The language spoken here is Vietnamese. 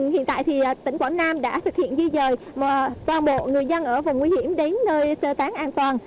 hiện tại thì tỉnh quảng nam đã thực hiện di dời toàn bộ người dân ở vùng nguy hiểm đến nơi sơ tán an toàn